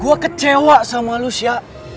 gue kecewa sama lo sya